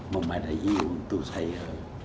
memadai untuk saya